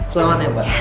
selamat ya mbak